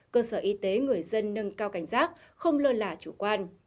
cơ sở y tế người dân nâng cao cảnh giác không lơ là chủ quan